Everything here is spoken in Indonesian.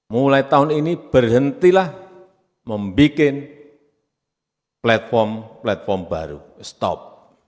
mulai tahun ini berhentilah membuat platform platform baru stop